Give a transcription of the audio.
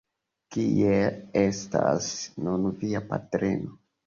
Kie estas nun via patrino?